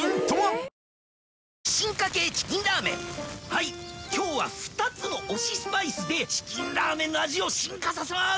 はいっ今日は二つの推しスパイスで『チキンラーメン』の味を進化させます